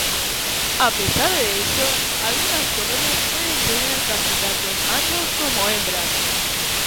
A pesar de ello, algunas colonias pueden tener casi tantos machos como hembras.